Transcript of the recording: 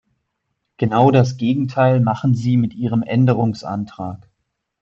Genau das Gegenteil machen Sie mit Ihrem Änderungsantrag.